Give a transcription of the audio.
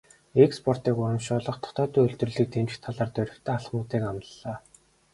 Экспортыг урамшуулах, дотоодын үйлдвэрлэлийг дэмжих талаар дорвитой алхмуудыг амлалаа.